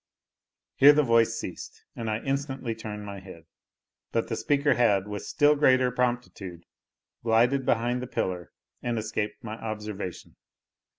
Here the voice ceased, and I instantly turned my head. But the speaker had, with still greater promptitude, glided behind the pillar, and escaped my observation.